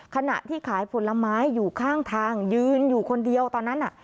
ขณะที่ขายผลไม้อยู่ข้างทางยืนอยู่คนเดียวตอนนั้นน่ะ